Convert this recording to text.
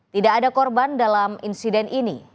tidak ada korban dalam insiden ini